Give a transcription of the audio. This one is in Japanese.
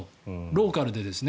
ローカルで。